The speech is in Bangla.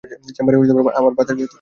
চেম্বারে আবার বাতাস ভর্তি করাই যায়।